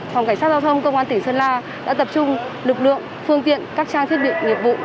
phòng cảnh sát giao thông công an tỉnh sơn la đã tập trung lực lượng phương tiện các trang thiết bị nghiệp vụ